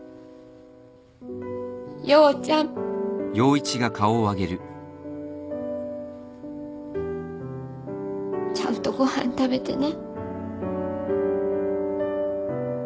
陽ちゃん。ちゃんとご飯食べてね。